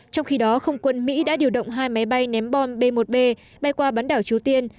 trong khi đó không quân mỹ đã điều động hai máy bay ném bom b một b bay qua bắn đảo triều tiên